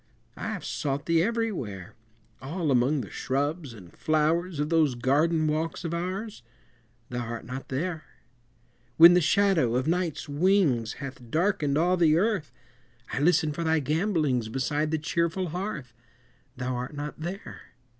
I have sought thee everywhere, All among the shrubs and flowers Of those garden walks of ours Thou art not there! When the shadow of Night's wings Hath darkened all the Earth, I listen for thy gambolings Beside the cheerful hearth Thou art not there!